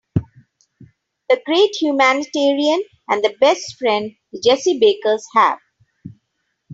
A great humanitarian and the best friend the Jessie Bakers have.